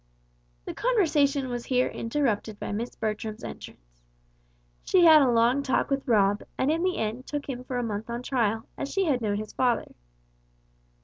The conversation was here interrupted by Miss Bertram's entrance. She had a long talk with Rob, and in the end took him for a month on trial, as she had known his father.